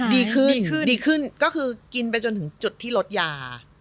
ดีขึ้นดีขึ้นดีขึ้นก็คือกินไปจนถึงจุดที่ลดยา